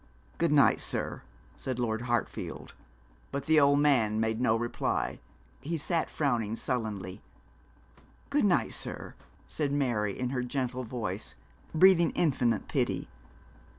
'Good night, sir,' said Lord Hartfield; but the old man made no reply. He sat frowning sullenly. 'Good night, sir,' said Mary, in her gentle voice, breathing infinite pity.